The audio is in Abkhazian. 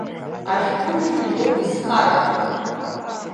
Ашәҟәыҩҩы иоуп изхарахо.